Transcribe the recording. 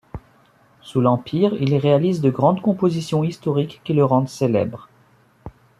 Sous l'Empire, il réalise de grandes compositions historiques qui le rendent célèbre.